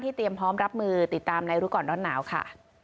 เตรียมพร้อมรับมือติดตามในรู้ก่อนร้อนหนาวค่ะ